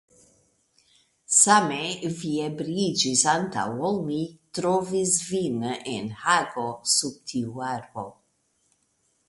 Same vi ebriiĝis antaŭ ol mi trovis vin en Hago sub tiu arbo.